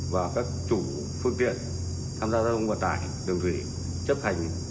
và các chủ phương tiện tham gia giao thông vận tải đường thủy chấp hành